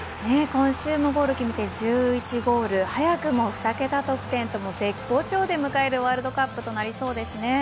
今週もゴールを決めて１１ゴール早くも２桁得点と絶好調で迎えるワールドカップとなりそうですね。